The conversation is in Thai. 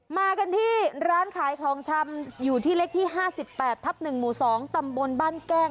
มากันที่ร้านขายทองชำอยู่ที่เล็กที่ห้าสิบแปดทับหนึ่งหมู่สองตำบลบ้านแก้ง